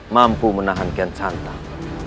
mampu menahan kian santang